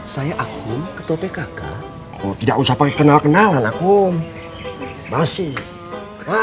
saya aku ketua pkk oh tidak usah pakai kenal kenalan aku basi